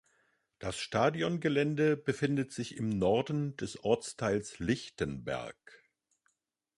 Das Stadiongelände befindet sich im Norden des Ortsteils Lichtenberg.